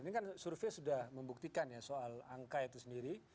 ini kan survei sudah membuktikan ya soal angka itu sendiri